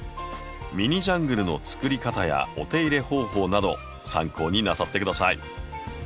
ミニジャングルのつくり方やお手入れ方法など参考になさって下さい。